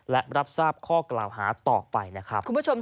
และรับทราบข้อกล่าวหาต่อไปนะครับ